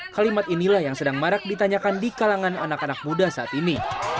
kalimat inilah yang sedang marak ditanyakan di kalangan anak anak muda saat ini